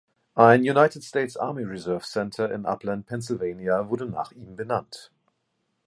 Ein "United States Army Reserve Center" in Upland (Pennsylvania) wurde nach ihm benannt.